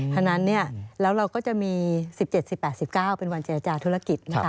ฉะนั้นแล้วเราก็จะมี๑๗๑๘๑๙เป็นวันเจรจาธุรกิจนะคะ